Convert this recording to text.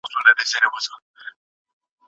علمي هڅې په پایله کي د بشریت په ګټه تماميږي.